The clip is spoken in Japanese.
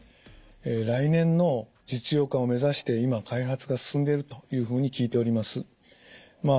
来年の実用化を目指して今開発が進んでいるというふうに聞いております。